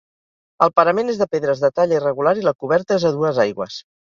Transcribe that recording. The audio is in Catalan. El parament és de pedres de talla irregular i la coberta és a dues aigües.